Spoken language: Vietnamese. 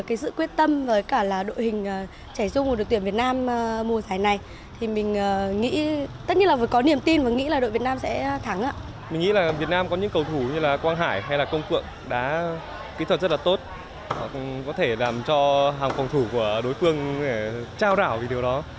kỹ thuật rất là tốt có thể làm cho hàng phòng thủ của đối phương trao rảo vì điều đó